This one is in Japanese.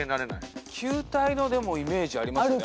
球体のイメージありますね。